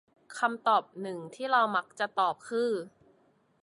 คำตอบหนึ่งที่เรามักจะตอบคือ